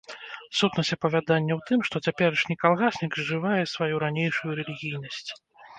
Сутнасць апавядання ў тым, што цяперашні калгаснік зжывае сваю ранейшую рэлігійнасць.